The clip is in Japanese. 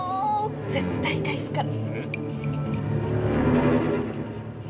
絶対返すから。